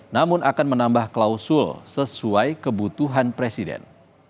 namun akan menambah klausul sesuai kebutuhan presiden